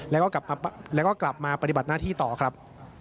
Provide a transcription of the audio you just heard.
แล้วก็กลับมาปฏิบัติหน้าที่ต่อครับ